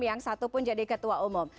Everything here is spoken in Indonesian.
yang satu pun jadi ketua umum